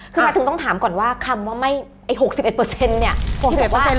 คือหมายถึงต้องถามก่อนว่าคำว่าไม่ไอ้๖๑เนี่ย